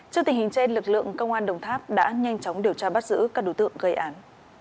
trước tình hình trên lực lượng công an đồng tháp đã nhanh chóng điều tra bắt giữ các đối tượng gây án